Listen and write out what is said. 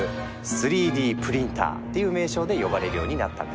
「３Ｄプリンター」という名称で呼ばれるようになったんだ。